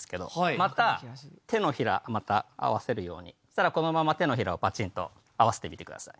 また手のひらまた合わせるように。そしたらこのまま手のひらをパチンと合わせてみてください。